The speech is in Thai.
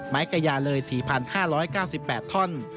กระยาเลย๔๕๙๘ท่อน